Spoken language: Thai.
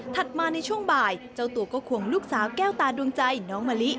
มาในช่วงบ่ายเจ้าตัวก็ควงลูกสาวแก้วตาดวงใจน้องมะลิ